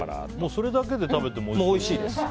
それだけで食べてもおいしそうですね。